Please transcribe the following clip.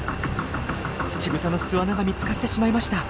ツチブタの巣穴が見つかってしまいました。